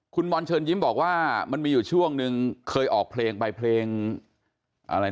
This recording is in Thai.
คุณบอลเชิญยิ้มบอกว่ามันมีอยู่ช่วงนึงเคยออกเพลงไปเพลงอะไร